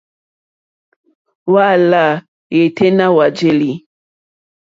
Hwá lâ yêténá hwá jēlì.